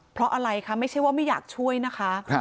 เพราะอะไรคะไม่ใช่ว่าไม่อยากช่วยนะคะ